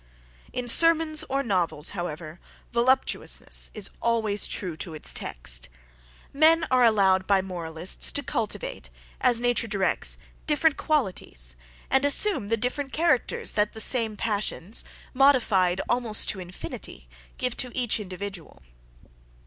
In sermons or novels, however, voluptuousness is always true to its text. Men are allowed by moralists to cultivate, as nature directs, different qualities, and assume the different characters, that the same passions, modified almost to infinity, give to each individual.